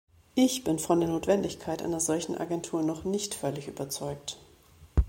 Ich bin von der Notwendigkeit einer solchen Agentur noch nicht völlig überzeugt.